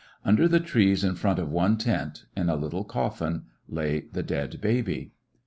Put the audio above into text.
Under the trees in front of one tent, in a little coffin, lay the dead baby.